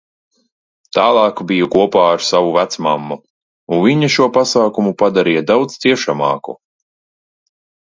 Tālāk biju kopā ar savu vecmammu, un viņa šo pasākumu padarīja daudz ciešamāku.